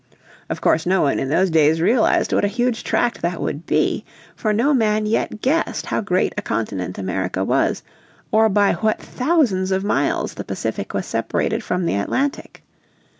Of course no one in those days realised what a huge tract that would be. For no man yet guessed how great a continent America was, or by what thousands of miles the Pacific was separated from the Atlantic.